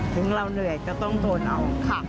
ถึงเราเหนื่อยก็ต้องตัวเรา